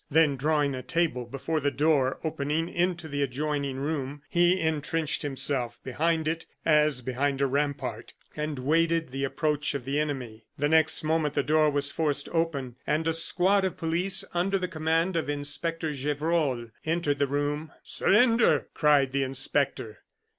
Then, drawing a table before the door opening into the adjoining room, he intrenched himself behind it as behind a rampart, and awaited the approach of the enemy. The next moment the door was forced open, and a squad of police, under the command of Inspector Gevrol, entered the room. "Surrender!" cried the inspector.